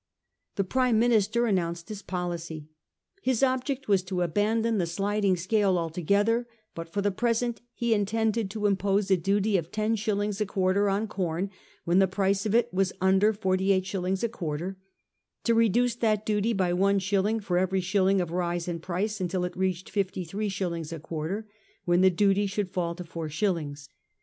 The Prime Minister announced his policy. His object was to abandon the sliding scale altogether; but for the present he intended to impose a duty of ten shillings a quarter on corn when the price of it was under forty eight shillings a quarter ; to reduce that duty by one shilling for every shilling of rise in price until it reached fifty three shillings a quarter, when the duty should fall to four shillings.